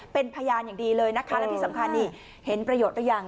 เป็นพยานอย่างดีเลยนะคะแล้วที่สำคัญนี่เห็นประโยชน์หรือยัง